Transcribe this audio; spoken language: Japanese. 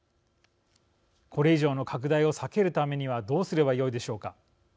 これ以上の拡大を避けるためにはどうすればよいでしょうか。